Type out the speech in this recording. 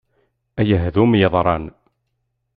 Ay ahdum yeḍran!